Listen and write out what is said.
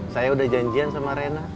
saya udah janjian sama rena